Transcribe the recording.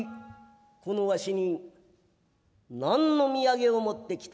この儂に何の土産を持って来た」。